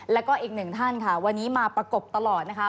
แล้วก็อีกหนึ่งท่านค่ะวันนี้มาประกบตลอดนะคะ